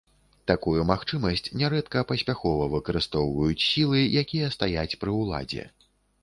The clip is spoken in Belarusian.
Такую магчымасць нярэдка паспяхова выкарыстоўваюць сілы, якія стаяць пры ўладзе.